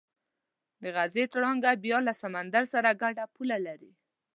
د غزې تړانګه بیا له سمندر سره ګډه پوله لري.